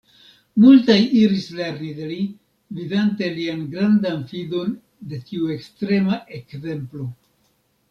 Multaj iris lerni de li, vidante lian grandan fidon de tiu ekstrema ekzemplo.